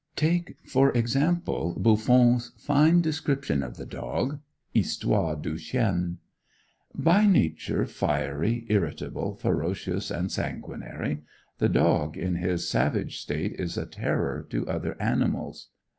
Take, for example, Buffon's fine description of the dog ("Histoire du Chien"): "By nature fiery, irritable, ferocious, and sanguinary, the dog in his savage state is a terror to other animals.